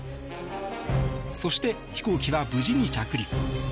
そして、飛行機は無事に着陸。